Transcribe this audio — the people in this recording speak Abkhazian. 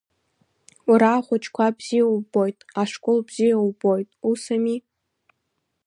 Уара ахәыҷқәа бзиа иубоит, ашкол бзиа иубоит, усами?